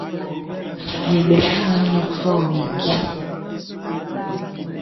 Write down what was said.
Yə bɛlə à nɔ̄k fɔŋ mə kìŋ.